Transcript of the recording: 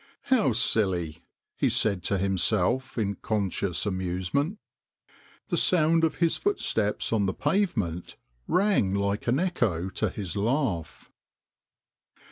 "How silly!" he said to himself, in con scious amusement. The sound of his foot steps on the pavement rang like an echo to his laugh.